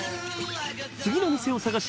次の店を探し